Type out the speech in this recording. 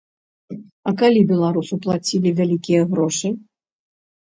А калі беларусу плацілі вялікія грошы?